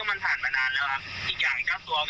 ทำงานได้ทุกอย่างผมก็เลยไม่ได้ซีเรียสอะไรครับ